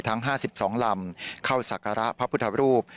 ทั้ง๕๒ลำเข้าศักระพระพุทธรูป